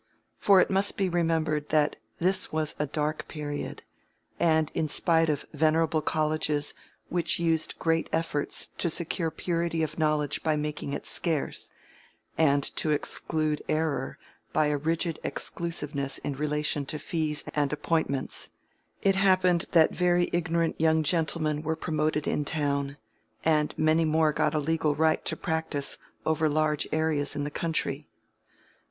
For it must be remembered that this was a dark period; and in spite of venerable colleges which used great efforts to secure purity of knowledge by making it scarce, and to exclude error by a rigid exclusiveness in relation to fees and appointments, it happened that very ignorant young gentlemen were promoted in town, and many more got a legal right to practise over large areas in the country.